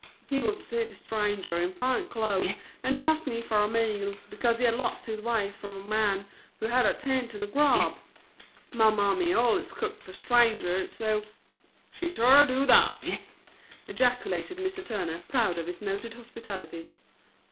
He was a city stranger in fine clothes and he asked me fer a meal because he had lost his way from a man who had a tent and grub. My mammy allus cooked fer strangers, so " "She shore do that," ejaculated Mr. Turner, proud of his noted hospitality.